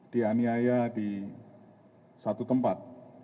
dianiaya di satu tempat